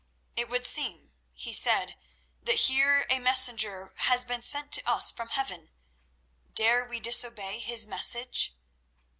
"It would seem," he said, "that here a messenger has been sent to us from heaven. Dare we disobey his message?"